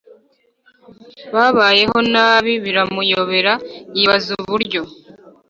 babayeho nabi biramuyobera yibaza uburyo